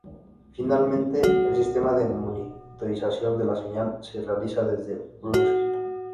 Finalmente, el sistema de monitorización de la señal se realiza desde Brunswick.